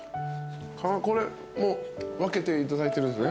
これもう分けていただいてるんですね？